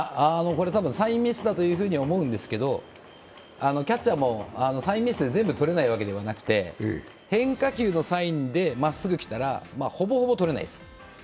これはサインミスだと思うんですが、キャッチャーもサインミスで全部とれないわけじゃなくて変化球のサインでまっすぐが来たらほぼほぼとれないです。